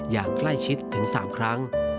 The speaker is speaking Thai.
อย่างใกล้ชิดถึง๓ครั้ง